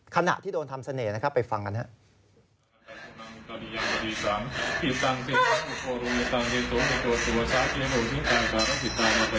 ขณะที่โดนทำเสน่ห์นะครับไปฟังกันครับ